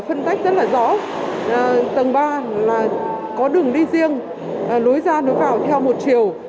các bệnh nhân covid một mươi chín sẽ được phân tách rất rõ tầng ba có đường đi riêng lối ra đối vào theo một chiều